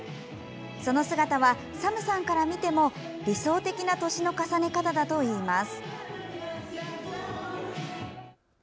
その姿は、ＳＡＭさんから見ても理想的な年の重ね方だといいます。